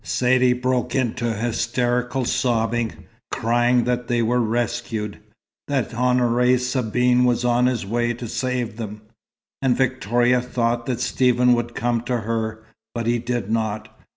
Saidee broke into hysterical sobbing, crying that they were rescued, that Honoré Sabine was on his way to save them. And Victoria thought that Stephen would come to her, but he did not.